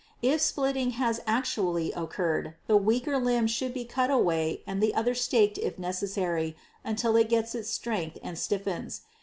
If splitting has actually occurred, the weaker limb should be cut away and the other staked if necessary until it gets strength and stiffens.